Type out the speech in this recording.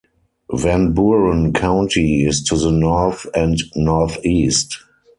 Van Buren County is to the north and northeast.